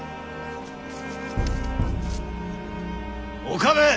岡部！